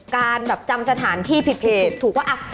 การจำสถานที่ผิดถูกว่า